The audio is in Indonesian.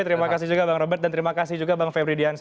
terima kasih juga bang robert dan terima kasih juga bang febri diansya